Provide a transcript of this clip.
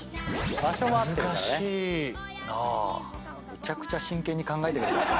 「めちゃくちゃ真剣に考えてくれてます」